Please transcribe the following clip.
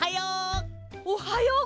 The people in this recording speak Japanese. おはよう！